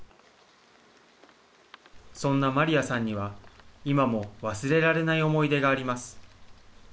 そんなマリアさんには今も忘れられない思い出があります。